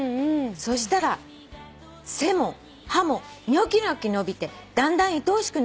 「そしたら背も葉もニョキニョキ伸びてだんだんいとおしくなり